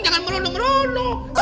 jangan meronok meronok